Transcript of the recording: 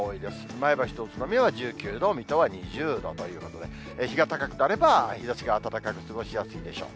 前橋と宇都宮は１９度、水戸は２０度ということで、日が高くなれば日ざしが暖かく、過ごしやすいでしょう。